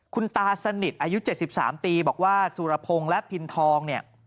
คุณตาสนิทอายุ๗๓ปีบอกว่าสุรพงศ์และพินทองเนี่ย